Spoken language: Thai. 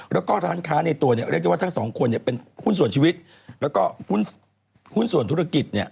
แล้วก็ร้านค้าในตัวเนี่ยเรียกได้ว่าทั้งสองคนเนี่ยเป็นหุ้นส่วนชีวิตแล้วก็หุ้นส่วนธุรกิจเนี่ย